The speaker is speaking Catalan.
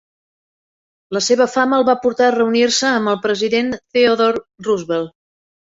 La seva fama el va portar a reunir-se amb el president Theodore Roosevelt.